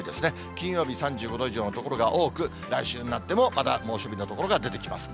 金曜日３５度以上の所が多く、来週になってもまだ猛暑日の所が出てきます。